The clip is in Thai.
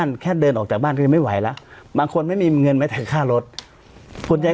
ในจังหวัดอุวนไปหมดแล้ว